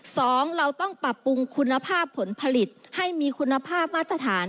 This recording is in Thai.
สองเราต้องปรับปรุงคุณภาพผลผลิตให้มีคุณภาพมาตรฐาน